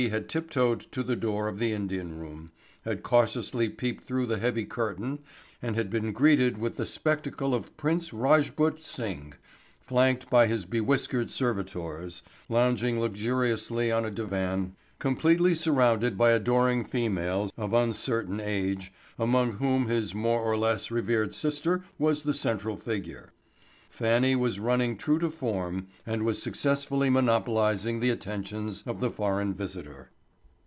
had tip toed to the door of the Indian room, had cautiously peeped through the heavy curtain and had been greeted with the spectacle of Prince Rajput Singh, flanked by his be whiskered servitors, lounging luxuriously on a divan completely surrounded by adoring females of uncertain age among whom his more or less revered sister was the central figure. Fannie was running true to form and was successfully monopolizing the attentions of the foreign visitor.